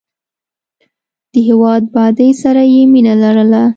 د هېواد بادۍ سره یې مینه لرله.